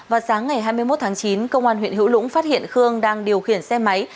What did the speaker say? vào sáng ngày hai mươi một tháng chín công an huyện hữu lũng phát hiện khương đang điều khiển xe máy